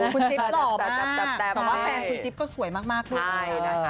คุณจิ๊บหล่อมากแต่ว่าแฟนคุณจิ๊บก็สวยมากนิดหนึ่ง